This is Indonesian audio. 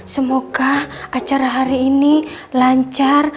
semoga acara hari ini lancar